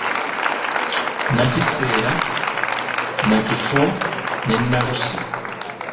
Nnakiseera, nnakifo ne nnaluse